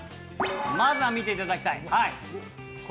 まずは見ていただきたい。